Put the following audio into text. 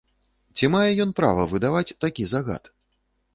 Ці мае ён права выдаваць такі загад?